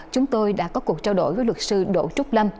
chúng tôi đã có cuộc trao đổi với luật sư đỗ trúc lâm